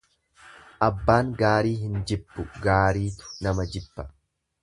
Abbaan gaarii hin jibbu gaariitu nama jibba.